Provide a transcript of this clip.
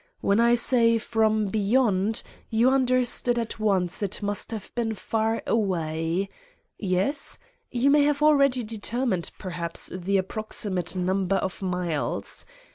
When I said from Beyond you understood at once it must have been very far 96 Satan's Diary away. Yes ? You may have already determined, perhaps, the approximate number of miles.